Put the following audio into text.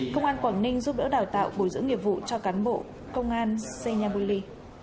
công an quảng ninh giúp đỡ đào tạo bồi dưỡng nghiệp vụ cho cán bộ công an seynabuli